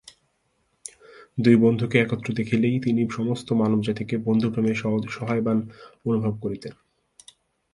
দুই বন্ধুকে একত্র দেখিলেই তিনি সমস্ত মানবজাতিকে বন্ধুপ্রেমে সহায়বান অনুভব করিতেন।